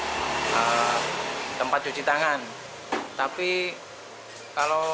ini adalah topik yang banyak diadakan dari warga kampung marunbaru